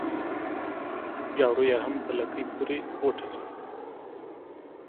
جارو يې هم په لکۍ پوري غوټه سو